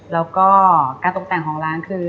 แล้วก็การตกแต่งของร้านคือ